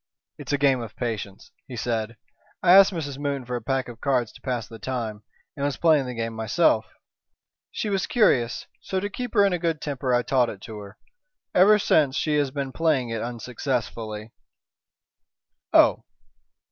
"It's a game of patience," he said. "I asked Mrs. Moon for a pack of cards to pass the time, and was playing the game myself. She was curious; so, to keep her in a good temper, I taught it to her. Ever since she has been playing it unsuccessfully." "Oh!"